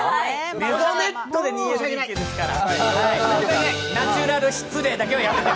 メゾネットで２ＬＤＫですから。